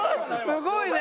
すごいね！